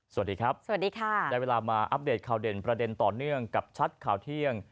สวัสดีครับสวัสดีค่ะได้เวลามาอัปเดตข่าวเด่นประเด็นต่อเนื่องกับชัดข่าวเที่ยง